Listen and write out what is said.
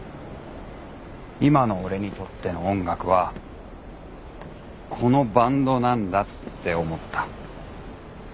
今の俺にとっての音楽はこのバンドなんだって思った。